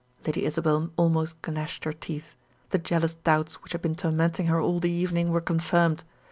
Lady Isabel almost gnashed her teeth; the jealous doubts which had been tormenting her all the evening were confirmed.